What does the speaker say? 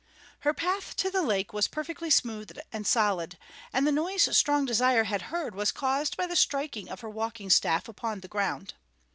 Her path to the lake was perfectly smooth and solid, and the noise Strong Desire had heard was caused by the striking of her walking staff upon the ground.